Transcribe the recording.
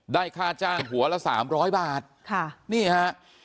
ได้ค่าจ้างหัวละ๓๐๐บาทนี่ฮะ